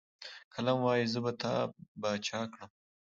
قلم وايي، زه به تا باچا کړم.